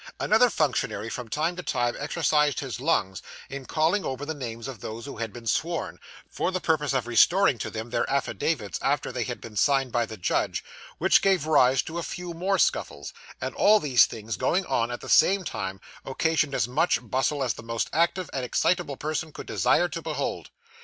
Another functionary, from time to time, exercised his lungs in calling over the names of those who had been sworn, for the purpose of restoring to them their affidavits after they had been signed by the judge, which gave rise to a few more scuffles; and all these things going on at the same time, occasioned as much bustle as the most active and excitable person could desire to behold.